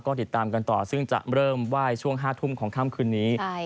ก็ติดตามกันต่อซึ่งจะเริ่มไหว้ช่วง๕ทุ่มของค่ำคืนนี้